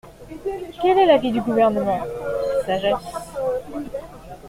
Quel est l’avis du Gouvernement ? Sagesse.